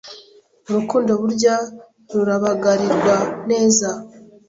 Urukundo burya rurabagarirwa neza